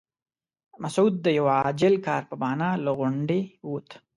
مسعود د یوه عاجل کار په بهانه له غونډې ووت.